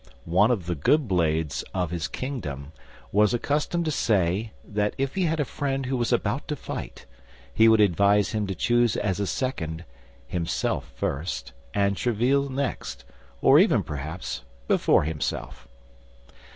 one of the good blades of his kingdom, was accustomed to say that if he had a friend who was about to fight, he would advise him to choose as a second, himself first, and Tréville next—or even, perhaps, before himself.